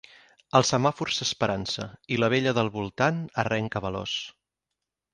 El semàfor s'esperança i la bella del volant arrenca veloç.